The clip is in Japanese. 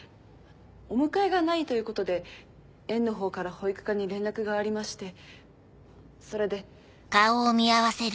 お迎えがないということで園のほうから保育課に連絡がありましてそれで。